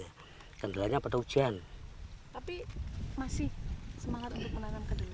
tapi masih semangat untuk menanam kedelai